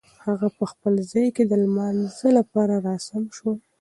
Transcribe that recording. هغه په خپل ځای کې د لمانځه لپاره را سم شو.